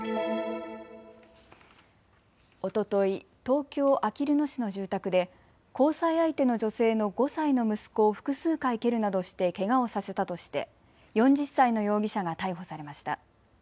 おととい、東京あきる野市の住宅で交際相手の女性の５歳の息子を複数回蹴るなどしてけがをさせたとして４０歳の容疑者が逮捕されました。